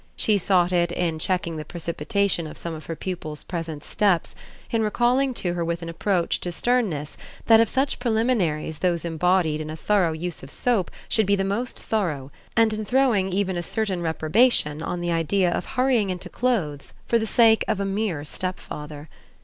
She sought it in checking the precipitation of some of her pupil's present steps, in recalling to her with an approach to sternness that of such preliminaries those embodied in a thorough use of soap should be the most thorough, and in throwing even a certain reprobation on the idea of hurrying into clothes for the sake of a mere stepfather.